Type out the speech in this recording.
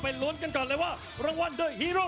ประโยชน์ทอตอร์จานแสนชัยกับยานิลลาลีนี่ครับ